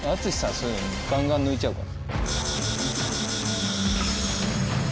そういうのガンガン抜いちゃうから。